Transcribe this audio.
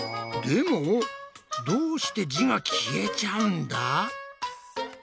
でもどうして字が消えちゃうんだ？